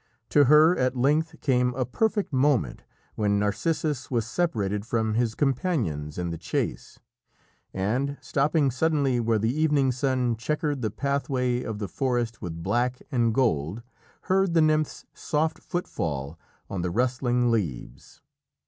To her at length came a perfect moment when Narcissus was separated from his companions in the chase and, stopping suddenly where the evening sun chequered the pathway of the forest with black and gold, heard the nymph's soft footfall on the rustling leaves.